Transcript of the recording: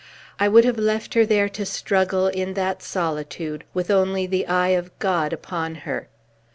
I would have left her to struggle, in that solitude, with only the eye of God upon her.